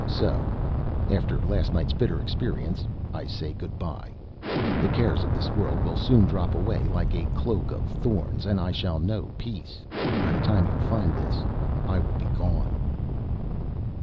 So, after last night's bitter experience, I say good by. The cares of this world will soon drop away like a cloak of thorns and I shall know peace. By the time you find this, I will be gone.'"